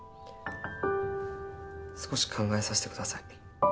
少し考えさせて下さい。